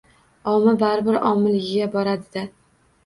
Omi baribir omiligiga boradi-da.